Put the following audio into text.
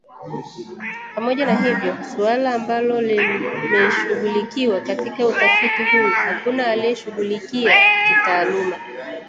Pamoja na hivyo, suala ambalo limeshughulikiwa katika utafiti huu hakuna aliyelishughulikia kitaaluma